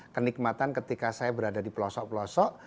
kenikmatan ketika saya berada di pelosok pelosok